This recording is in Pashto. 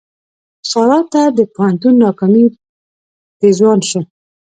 سارا ته د پوهنتون ناکامي پېزوان شو.